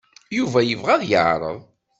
Yuba yebɣa ad t-yeɛreḍ.